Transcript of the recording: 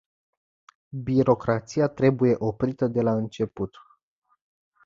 Birocrația trebuie oprită de la început.